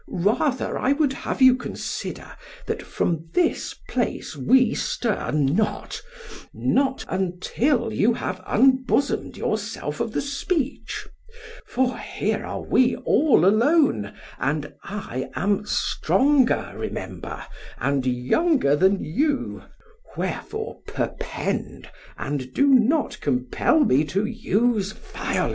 Rather I would have you consider that from this place we stir not until you have unbosomed yourself of the speech; for here are we all alone, and I am stronger, remember, and younger than you: Wherefore perpend, and do not compel me to use violence.